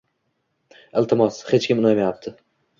iltimos, hech kim unamayapti.